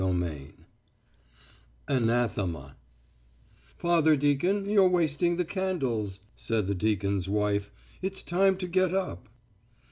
XIII ANATHEMA "Father Deacon, you're wasting the candles," said the deacon's wife. "It's time to get up."